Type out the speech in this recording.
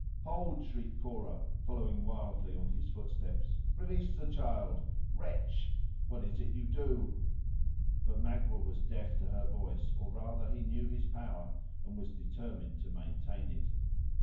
"Hold!" shrieked Cora, following wildly on his footsteps; "release the child! wretch! what is't you do?" But Magua was deaf to her voice; or, rather, he knew his power, and was determined to maintain it.